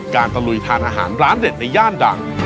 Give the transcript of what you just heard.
ตะลุยทานอาหารร้านเด็ดในย่านดัง